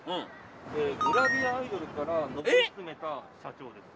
グラビアアイドルから上り詰めた社長です。